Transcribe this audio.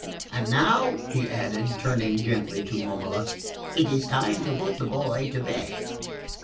And now," he added, turning gently to Momola, "it is time to put the boy to bed."